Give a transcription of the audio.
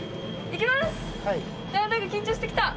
いきます。